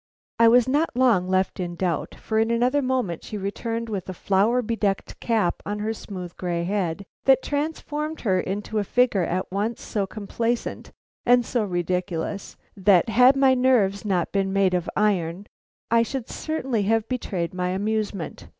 I was not long left in doubt, for in another moment she returned with a flower bedecked cap on her smooth gray head, that transformed her into a figure at once so complacent and so ridiculous that, had my nerves not been made of iron, I should certainly have betrayed my amusement.